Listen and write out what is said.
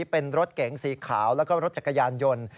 เป็นรถเก๋งสีขาวแล้วก็รถจักรยานยนต์